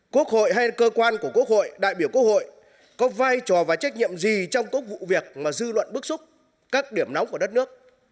quốc hội hay cơ quan của quốc hội đại biểu quốc hội có vai trò và trách nhiệm gì trong cốc vụ việc mà dư luận bức xúc các điểm nóng của đất nước